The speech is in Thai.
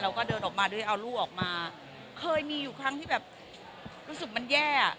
เราก็เดินออกมาด้วยเอาลูกออกมาเคยมีอยู่ครั้งที่แบบรู้สึกมันแย่อ่ะ